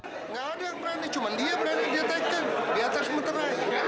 nggak ada yang berani cuma dia berani diatakan di atas muterai